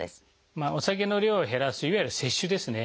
お酒の量を減らすいわゆる節酒ですね